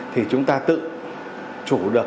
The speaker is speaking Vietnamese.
thì chúng ta tự chủ được